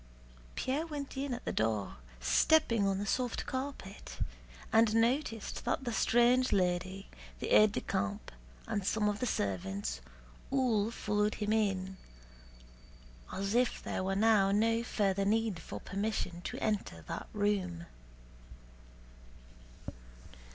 Pierre went in at the door, stepping on the soft carpet, and noticed that the strange lady, the aide de camp, and some of the servants, all followed him in, as if there were now no further need for permission to enter that room.